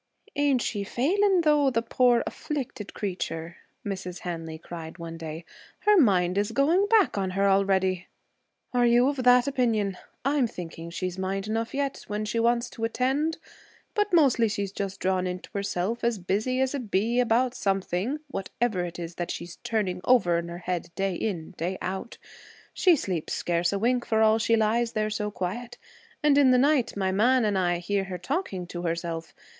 'Ain't she failing, though, the poor afflicted creature!' Mrs. Hanley cried one day. 'Her mind is going back on her already.' 'Are you of that opinion? I'm thinking she's mind enough yet, when she wants to attend; but mostly she's just drawn into herself, as busy as a bee about something, whatever it is that she's turning over in her head day in, day out. She sleeps scarce a wink for all she lies there so quiet, and, in the night, my man and I hear her talking to herself.